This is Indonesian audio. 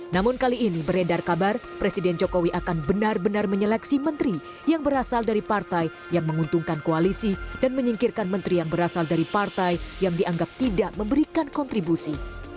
namun kali ini beredar kabar presiden jokowi akan benar benar menyeleksi menteri yang berasal dari partai yang menguntungkan koalisi dan menyingkirkan menteri yang berasal dari partai yang dianggap tidak memberikan kontribusi